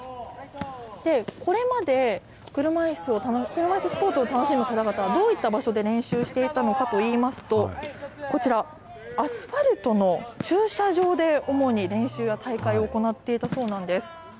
これまで車いすスポーツを楽しむ方々は、どういった場所で練習していたのかといいますと、こちら、アスファルトの駐車場で主に練習や大会を行っていたそうなんです。